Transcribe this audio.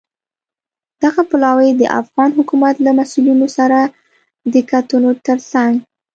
دغه پلاوی د افغان حکومت له مسوولینو سره د کتنو ترڅنګ